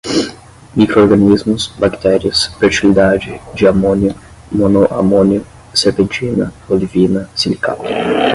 microrganismos, bactérias, fertilidade, diamônio, monoamônio, serpentina, olivina, silicato